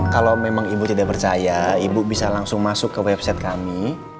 kalau memang ibu tidak percaya ibu bisa langsung masuk ke website kami